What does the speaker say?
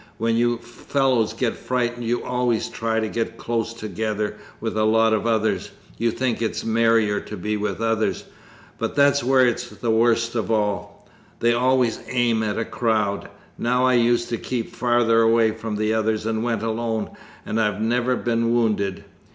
When you fellows get frightened you always try to get close together with a lot of others. You think it is merrier to be with others, but that's where it is worst of all! They always aim at a crowd. Now I used to keep farther away from the others and went alone, and I've never been wounded.